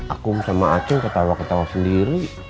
aku sama aceh ketawa ketawa sendiri